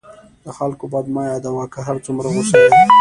د خلکو بد مه یادوه، که هر څومره غصه یې.